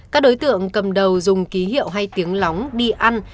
các đối tượng cầm đầu dùng ký hiệu hay tiếng lóng đi ăn